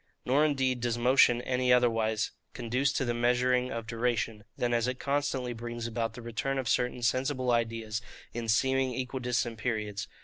Nor indeed does motion any otherwise conduce to the measuring of duration, than as it constantly brings about the return of certain sensible ideas, in seeming equidistant periods.